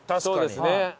そうですね。